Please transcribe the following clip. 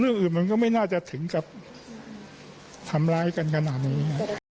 เรื่องอื่นมันก็ไม่น่าจะถึงกับทำร้ายกันขนาดนี้